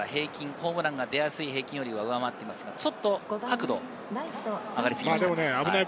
ホームランが出やすい、平均よりは上回っていますが、ちょっと角度が上がりすぎましたね。